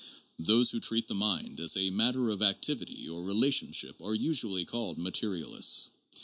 Those who treat the mind as a matter of activity or relationships are usually called materialists.